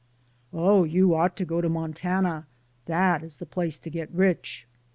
"Oh, you ought to go to Montana; that is the place to get rich."